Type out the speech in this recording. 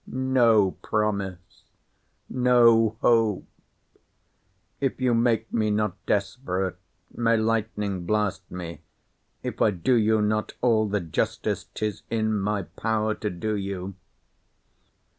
No promise!—no hope!—If you make me not desperate, may lightning blast me, if I do you not all the justice 'tis in my power to do you!